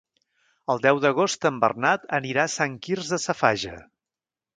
El deu d'agost en Bernat anirà a Sant Quirze Safaja.